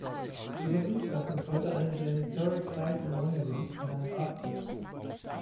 Dieser Briefkasten ist heute eine der "Historic Sites and Monuments" in der Antarktis.